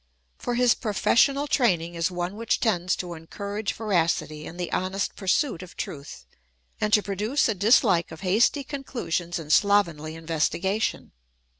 For his pro fessional training is one which tends to encourage veracity and the honest pursuit of truth, and to produce a dishke of hasty conclusions and slovenly investigation.